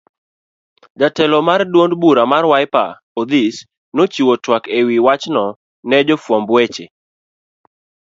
Jatelo mar duond bura mar Wiper, Odhis nochiwo twak ewi wachno ne jofuamb weche.